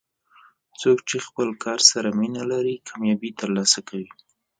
څوک چې خپل کار سره مینه لري، کامیابي ترلاسه کوي.